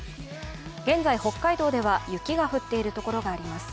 現在、北海道では雪が降っているところがあります。